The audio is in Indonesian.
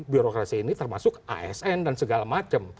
birokrasi ini termasuk asn dan segala macam